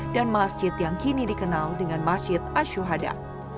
dan masjid yang kini dikenal dengan masjid ashwada